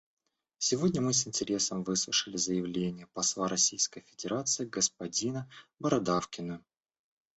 Сегодня мы с интересом выслушали заявление посла Российской Федерации господина Бородавкина.